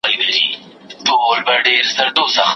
داسي بد ږغ یې هیڅ نه وو اورېدلی